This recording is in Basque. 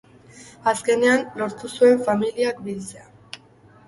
Azkenean, lortu zuen familiak biltzea.